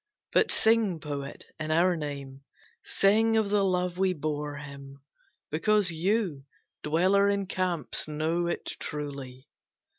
But sing poet in our name, Sing of the love we bore him because you, dweller in camps, know it truly.